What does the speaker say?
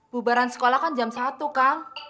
bubaran sekolah kan jam satu kang